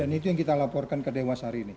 dan itu yang kita laporkan ke dewas hari ini